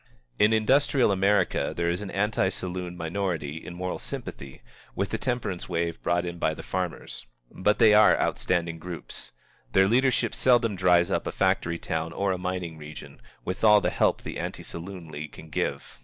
In industrial America there is an anti saloon minority in moral sympathy with the temperance wave brought in by the farmers. But they are outstanding groups. Their leadership seldom dries up a factory town or a mining region, with all the help the Anti Saloon League can give.